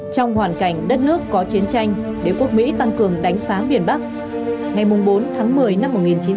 trong hoàn cảnh đất nước có chiến tranh để quốc mỹ tăng cường đánh phá biển bắc ngày bốn tháng một mươi năm một nghìn chín trăm sáu mươi một